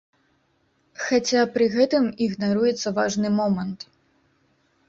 Хаця пры гэтым ігнаруецца важны момант.